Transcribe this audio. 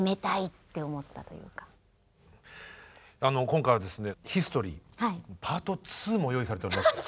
今回はですねヒストリーパート２も用意されておりまして。